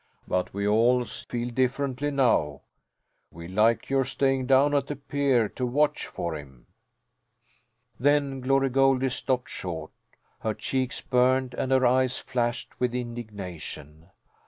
But we all feel differently now; we like your staying down at the pier to watch for him." Then Glory Goldie stopped short. Her cheeks burned and her eyes flashed with indignation.